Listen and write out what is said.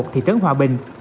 thị trấn hòa bình